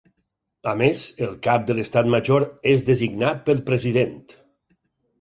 A més, el cap de l'Estat Major és designat pel president.